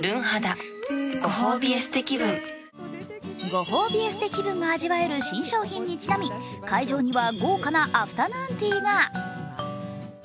ご褒美エステ気分が味わえる新商品にちなみ、会場には豪華なアフタヌーンティーが。